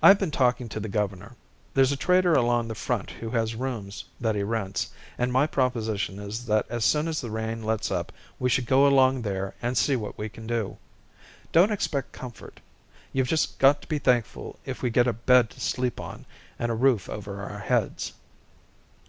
"I've been talking to the governor. There's a trader along the front who has rooms that he rents, and my proposition is that as soon as the rain lets up we should go along there and see what we can do. Don't expect comfort. You've just got to be thankful if we get a bed to sleep on and a roof over our heads."